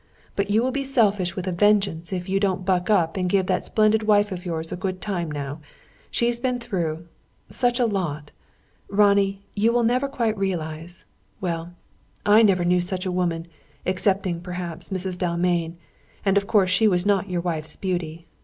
But you will be selfish with a vengeance, if you don't buck up and give that splendid wife of yours a good time now. She has been through such a lot. Ronnie, you will never quite realise well, I never knew such a woman, excepting, perhaps, Mrs. Dalmain; and of course she has not your wife's beauty.